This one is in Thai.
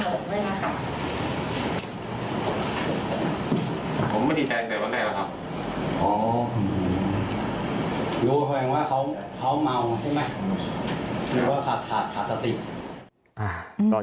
รู้ว่าว่าเขาเขาเมาใช่ไหมเหม็นว่าขาดขาดขาดสติ